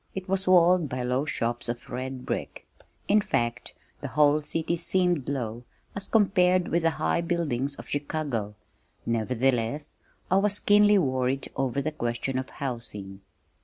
It was walled by low shops of red brick in fact, the whole city seemed low as compared with the high buildings of Chicago, nevertheless I was keenly worried over the question of housing.